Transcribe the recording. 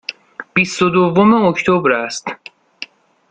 بیست و دوم اکتبر است.